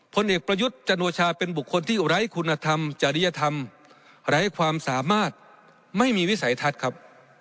ผลเอกประยุทธ์จันโอชาเป็นบุคคลที่ไร้คุณธรรมจริยธรรมไร้ความสามารถไม่มีวิสัยทัศน์ครับ